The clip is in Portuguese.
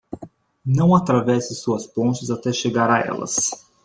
Não atravesse suas pontes até chegar a elas.